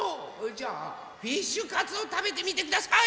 じゃあフィッシュカツをたべてみてください！